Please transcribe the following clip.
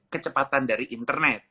kecepatan dari internet